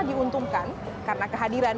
diuntungkan karena kehadiran